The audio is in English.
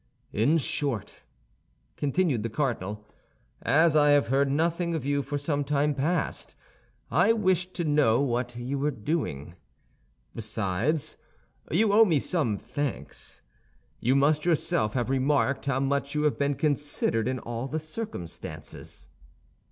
"In short," continued the cardinal, "as I have heard nothing of you for some time past, I wished to know what you were doing. Besides, you owe me some thanks. You must yourself have remarked how much you have been considered in all the circumstances."